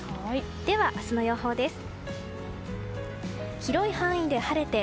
では、明日の予報です。